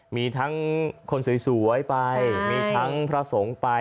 มีทั้งคนสวยไปมีทั้งพระสงฆ์ไป